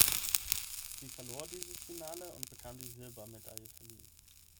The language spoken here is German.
Sie verlor dieses Finale und bekam die Silbermedaille verliehen.